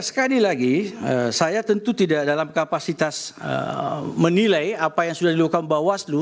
sekali lagi saya tentu tidak dalam kapasitas menilai apa yang sudah dilakukan bawaslu